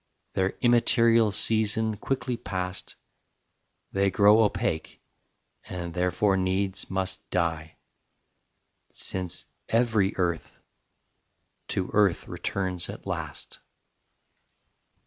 Their immaterial season quickly past, They grow opaque, and therefore needs must die, Since every earth to earth returns at last.